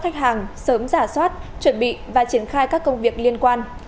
khách hàng sớm giả soát chuẩn bị và triển khai các công việc liên quan